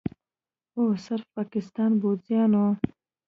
او صرف پاکستان پوځیانو